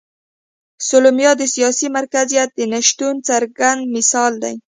سومالیا د سیاسي مرکزیت د نشتون څرګند مثال دی.